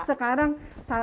sekarang udah biasa